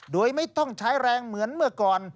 โดยไม่ต้องใช้แรงเหมือนเมื่อก่อน